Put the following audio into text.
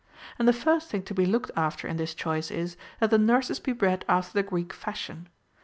And the first thino• to be looked after in this choice is, that the nurses be bred after the Greek fashion.